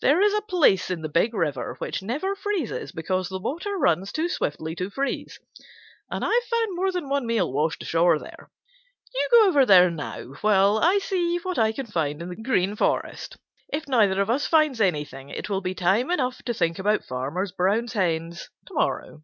There is a place in the Big River which never freezes because the water runs too swiftly to freeze, and I've found more than one meal washed ashore there. You go over there now while I see what I can find in the Green Forest. If neither of us finds anything, it will be time enough to think about Farmer Brown's hens to morrow."